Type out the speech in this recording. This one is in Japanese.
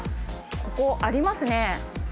ここありますね。